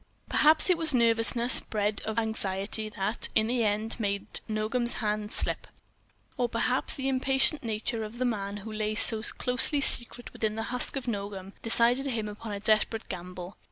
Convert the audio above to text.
Perhaps it was nervousness bred of this anxiety that, in the end, made Nogam's hand slip. Or perhaps the impatient nature of the man who lay so closely secret within the husk of Nogam decided him upon a desperate gamble.